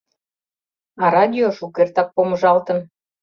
А радио шукертак помыжалтын.